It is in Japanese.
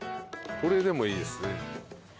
これでもいいですね。